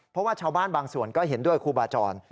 เพราะว่าชาวบ้านบางส่วนก็เห็นด้วยครูบาจร